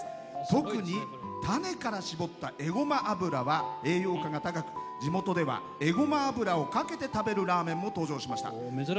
特に、種から搾ったエゴマ油は栄養価が高く、地元ではエゴマ油をかけて食べるラーメンも登場しました。